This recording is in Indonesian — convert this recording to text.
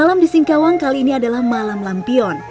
malam di singkawang kali ini adalah malam lampion